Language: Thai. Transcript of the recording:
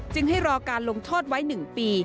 จึงให้รอการลงโทษไว้หนึ่งปี